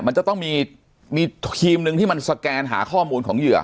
มันจะต้องมีทีมหนึ่งที่มันสแกนหาข้อมูลของเหยื่อ